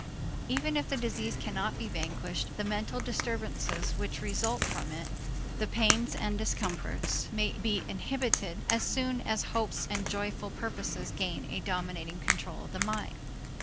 Even if the disease cannot be vanquished, the mental disturbances which result from it, the pains and discomforts, may be inhibited, as soon as hopes and joyful purposes gain a dominating control of the mind.